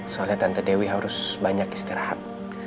soalnya tante dewi harus banyak istirahat